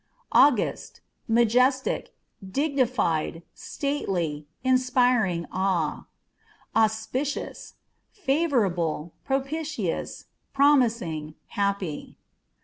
August â€" majestic, dignified, stately, inspiring awe. Auspicious â€" favorable, propitious, promising, happy.